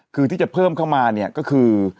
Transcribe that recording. คือที่จะเพิ่มเข้ามาเนี่ยก็คือ